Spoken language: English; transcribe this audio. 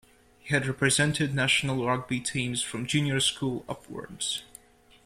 He had represented national rugby teams from junior school upwards.